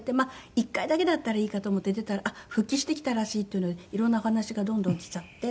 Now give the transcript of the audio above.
１回だけだったらいいかと思って出たら復帰してきたらしいっていうので色んなお話がどんどん来ちゃって。